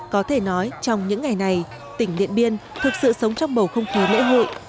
có thể nói trong những ngày này tỉnh điện biên thực sự sống trong bầu không khí lễ hội